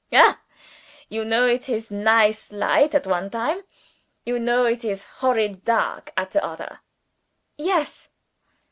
"Hah! You know it is nice light at one time? you know it is horrid dark at the odder?" "Yes."